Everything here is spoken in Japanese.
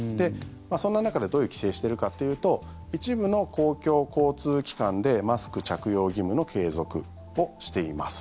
そんな中で、どういう規制をしているかというと一部の公共交通機関でマスク着用義務の継続をしています。